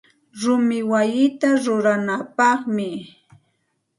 Rumiqa wayita ruranapaqmi.